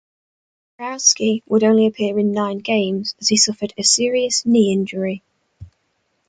Berehowsky would only appear in nine games as he suffered a serious knee injury.